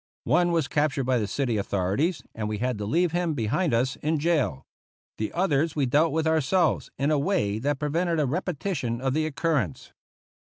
One was captured by the city authorities, and we had to leave him behind us in jail. The others we dealt with our selves, in a way that prevented a repetition of the occurrence.